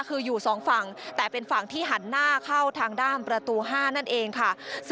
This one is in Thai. คืออยู่๒ฝั่งแต่เป็นฝั่งที่หันหน้าเข้าทางด้านประตู๕นั่นเองค่ะ